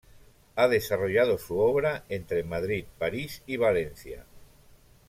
Ha desarrollado su obra entre Madrid, París y Valencia.